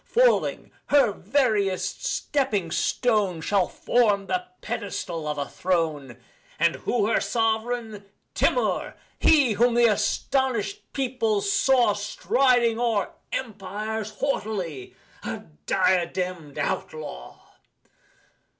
Falling her veriest stepping stone Shall form the pedestal of a throne And who her sovereign? Timour he Whom the astonished people saw Striding o'er empires haughtily A diadem'd outlaw!